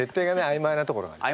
あいまいなところがね。